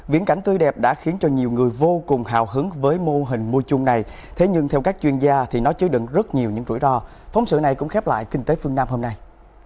viễn cảnh tươi đẹp đã khiến cho nhiều người vô cùng hào hứng với mô hình mua chung này thế nhưng theo các chuyên gia thì nó chứa đựng rất nhiều những rủi ro phóng sự này cũng khép lại kinh tế phương nam hôm nay